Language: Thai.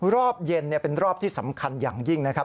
รอบเย็นเป็นรอบที่สำคัญอย่างยิ่งนะครับ